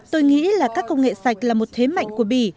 tôi nghĩ là các công nghệ sạch là một thế mạnh của bỉ